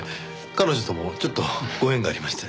彼女ともちょっとご縁がありまして。